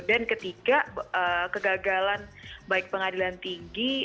dan ketiga kegagalan baik pengadilan tinggi